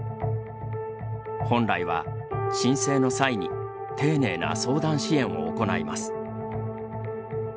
本来は、申請の際に丁寧な相談支援を行います。